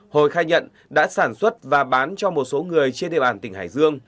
hồi khai nhận đã sản xuất và bán cho một số người trên địa bàn tỉnh hải dương